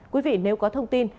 quý vị nếu có thông tin